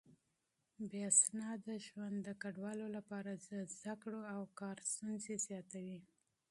بې اسناده ژوند د کډوالو لپاره د زده کړو او کار ستونزې زياتوي.